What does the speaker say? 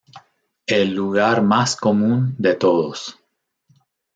El lugar más común de todos.